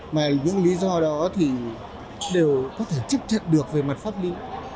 mà những lý do đó thì đều có thể chấp nhận được về mặt pháp lý